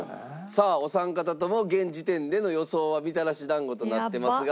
さあお三方とも現時点での予想はみたらし団子となってますが。